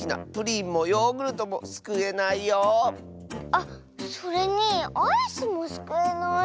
あっそれにアイスもすくえない。